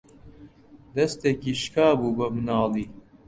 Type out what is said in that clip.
دەستێکی شکا بوو بە مناڵی